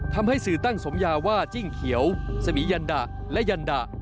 ทำให้สื่อตั้งสมยาว่าจิ้งเขียวสมียันดะและยันดะ